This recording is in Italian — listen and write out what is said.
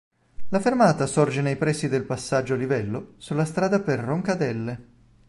La fermata sorge nei pressi del passaggio a livello sulla strada per Roncadelle.